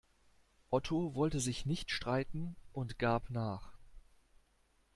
Otto wollte sich nicht streiten und gab nach.